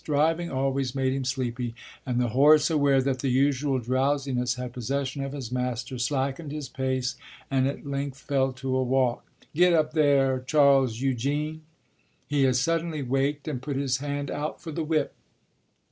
Driving always made him sleepy, and the horse, aware that the usual drowsiness had possession of his master, slackened his pace and at length fell to a walk. "Get up there, Charles Eugene!" He had suddenly waked and put his hand out for the whip.